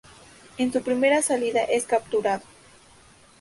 En su primera salida es capturado.